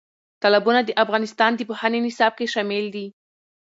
تالابونه د افغانستان د پوهنې نصاب کې شامل دي.